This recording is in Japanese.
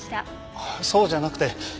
そうじゃなくて。